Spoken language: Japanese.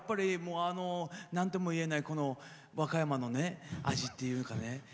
なんともいえない和歌山の味っていうかね。